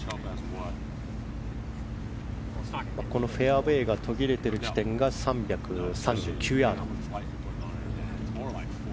このフェアウェーが途切れている地点が３３９ヤードです。